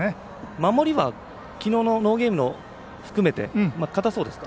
守りはきのうのノーゲームも含めて堅そうですか？